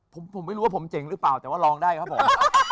ผมไม่รู้ว่าผมเจ๋งหรือเปล่าแต่ว่าร้องได้ครับผม